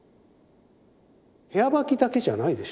部屋履きだけじゃないでしょ。